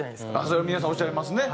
それ皆さんおっしゃいますね。